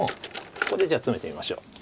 ここでじゃあツメてみましょう。